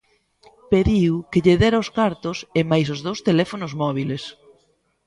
Pediu que lle dera os cartos e máis os dous teléfonos móbiles.